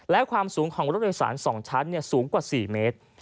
และความสูงของรถโดยสาร๒ชั้นสูงกว่า๔เมตร